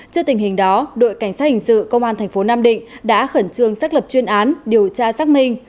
trước tình hình đó đội cảnh sát hình sự công an thành phố nam định đã khẩn trương xác lập chuyên án điều tra xác minh